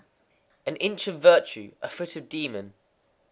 _ An inch of virtue; a foot of demon.